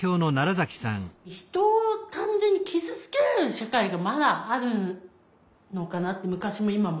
人を単純に傷つける社会がまだあるのかなって昔も今も。